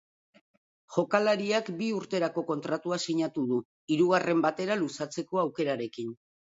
Jokalariak bi urterako kontratua sinatu du, hirugarren batera luzatzeko aukerarekin.